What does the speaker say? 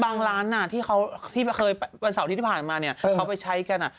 บางร้านที่เคยวันเสาร์นี้ที่ผ่านมาเขาไปใช้กัน